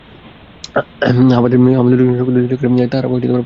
হামাদের লোকজন সংযোগ লিতে গেলে তারা হামার পাড়ার দুইজনকো পিটিয়ে আহত করছে।